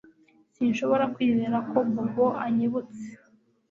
Sinshobora kwizera ko Bobo anyibutse